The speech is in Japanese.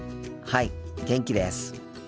はい元気です。